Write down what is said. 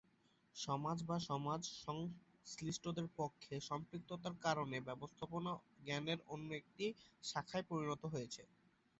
সমাজ বা সমাজ সংশ্লিষ্ট পক্ষের সম্পৃক্ততার কারনে 'ব্যবস্থাপনা' জ্ঞানের অন্যতম একটি শাখায় পরিণত হয়েছে।